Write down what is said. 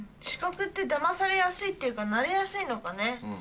視覚ってだまされやすいっていうか慣れやすいのかね。